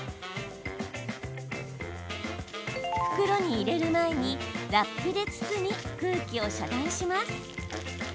袋に入れる前にラップで包み空気を遮断します。